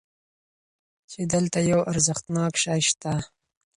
چې دلته یو ارزښتناک شی شته.